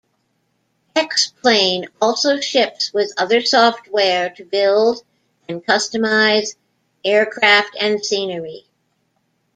"X-Plane" also ships with other software to build and customize aircraft and scenery.